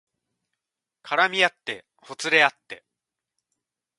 絡みあってほつれあって